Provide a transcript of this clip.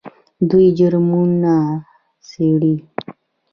دوی جرمونه څیړي.